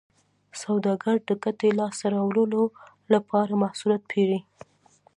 سوداګر د ګټې لاسته راوړلو لپاره محصولات پېري